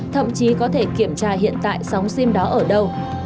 thậm chí có thể kiểm tra hiện tại sóng sim đó ở đâu